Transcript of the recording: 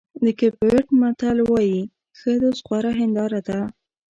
د کېپ ورېډ متل وایي ښه دوست غوره هنداره ده.